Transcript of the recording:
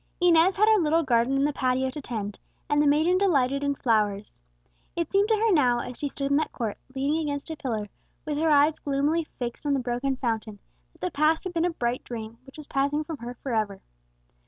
Inez had her little garden in the patio to tend, and the maiden delighted in flowers. It seemed to her now, as she stood in that court, leaning against a pillar, with her eyes gloomily fixed on the broken fountain, that the past had been a bright dream, which was passing from her for ever.